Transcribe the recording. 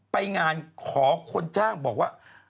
ไปงานขอคนจ้างบอกว่า